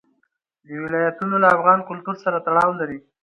دا ولایتونه له افغان کلتور سره تړاو لري.